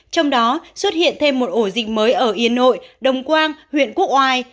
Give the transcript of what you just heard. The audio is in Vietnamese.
trong đó xuất hiện thêm một ổ dịch mới ở yên nội đồng quang huyện quốc oai